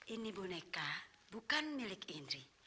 ini boneka bukan milik indri